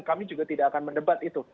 kami juga tidak akan mendebat itu